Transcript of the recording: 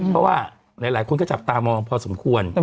เพราะว่าหลายคนก็จับตามองพอสมควร